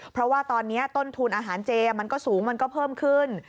เพราะว่าตอนนี้ต้นทุนอาหารเจมันก็สูงมันก็เพิ่มขึ้น